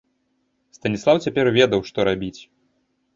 Станіслаў цяпер ведаў, што рабіць.